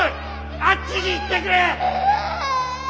あっちに行ってくれ！